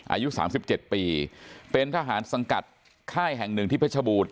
อายุ๓๗ปีเป็นทหารสังกัดค่ายแห่งหนึ่งที่เพชรบูรณ